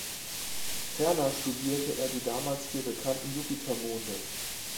Ferner studierte er die damals vier bekannten Jupitermonde.